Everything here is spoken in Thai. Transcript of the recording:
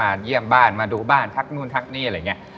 เยี่ยมบ้านมาดูบ้านทักนู่นทักนี่อะไรอย่างนี้